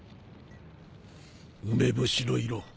梅干しの色。